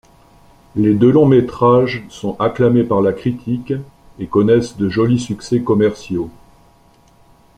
Les deux longs-métrages sont acclamés par la critique et connaissent de jolis succès commerciaux.